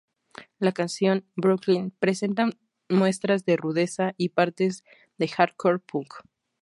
La canción 'Broken' presenta muestras de rudeza, y partes de hardcore punk.